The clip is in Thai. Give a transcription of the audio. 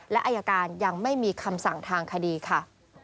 และอายการยังไม่มีคำสั่งทางคดีค่ะ